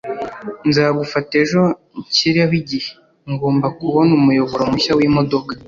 Nzagufata ejo nshyireho igihe. Ngomba kubona umuyoboro mushya wimodoka.